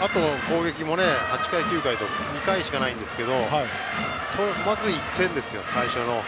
あとの攻撃も８回、９回と２回しかないんですがまず１点ですよ、最初の。